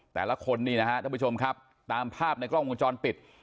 แต่ละคนนี่นะฮะท่านผู้ชมครับตามภาพในกล้องวงจรปิด